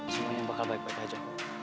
semuanya bakal baik baik aja